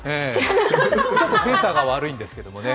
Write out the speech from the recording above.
ちょっとセンサーが悪いんですけどね。